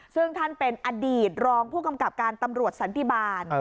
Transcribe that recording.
ซึ่งท่านเป็นอดีตรองผู้กำกับการตำรวจสันติบาล